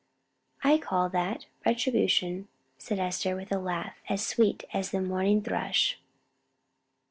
"I call that retribution," said Esther, with a laugh as sweet as the morning thrush.